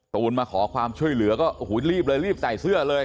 ตูนมาขอความช่วยเหลือก็โอ้โหรีบเลยรีบใส่เสื้อเลย